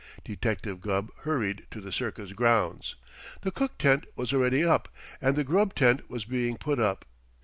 Detective Gubb hurried to the circus grounds. The cook tent was already up, and the grub tent was being put up.